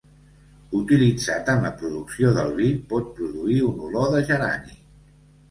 Utilitzat en la producció del vi, pot produir una olor de gerani.